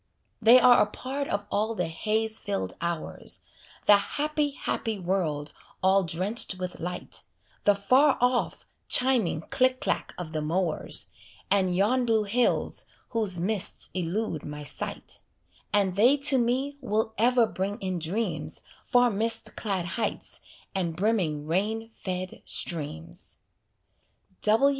They are a part of all the haze filled hours, The happy, happy world all drenched with light, The far off, chiming click clack of the mowers, And yon blue hills whose mists elude my sight; And they to me will ever bring in dreams Far mist clad heights and brimming rain fed streams.